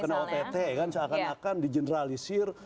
kena ott kan seakan akan di generalisir